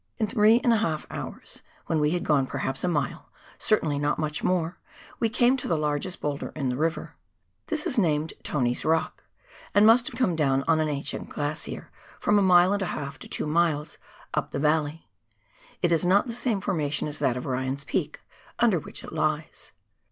In three and a half hours, when we had gone perhaps a mile — certainly not much more — we came to the largest boulder in the river. This is named Tony's Rock, and must have come down on the ancient glacier, from a mile and a half to two miles up the valley. It is not the same formation as that of Ryan's Peak, under which it lies.